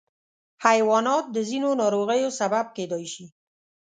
حیوانات د ځینو ناروغیو سبب کېدای شي.